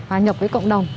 và nhập với cộng đồng